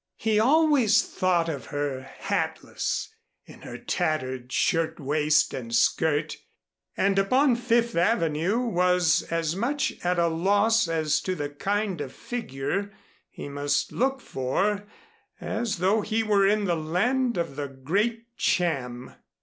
He always thought of her hatless, in her tattered shirtwaist and skirt, and upon Fifth Avenue was as much at a loss as to the kind of figure he must look for as though he were in the land of the great Cham.